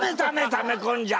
ため込んじゃ！